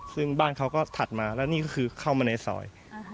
ซึ่งบ้านเขาก็ถัดมาแล้วนี่ก็คือเข้ามาในซอย